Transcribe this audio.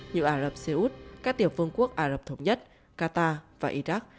như ả rập xê út các tiểu vương quốc ả rập thống nhất qatar và iraq